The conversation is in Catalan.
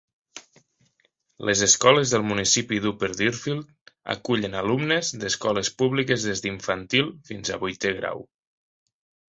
Les escoles del municipi d'Upper Deerfield acullen alumnes d'escoles públiques des d'infantil fins a vuitè grau.